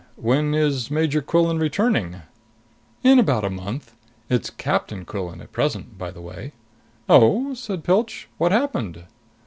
When is Major Quillan returning?" "In about a month. It's Captain Quillan at present, by the way." "Oh?" said Pilch. "What happened?"